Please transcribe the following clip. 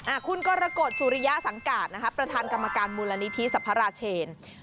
อ่าคุณก็ระโกรธสุริยสังการณ์นะคะประธานกรรมการมูลนิธิสัพราเชน